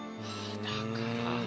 だから。